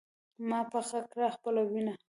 ما پخه کړه خپله ينه